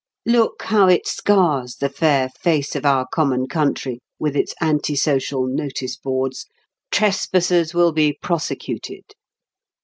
Look how it scars the fair face of our common country with its anti social notice boards, "Trespassers will be prosecuted."